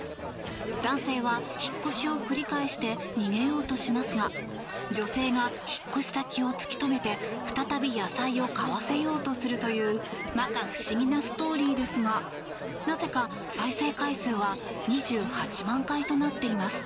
男性は引っ越しを繰り返して逃げようとしますが女性が引っ越し先を突き止めて再び野菜を買わせようとするという摩訶不思議なストーリーですがなぜか再生回数は２８万回となっています。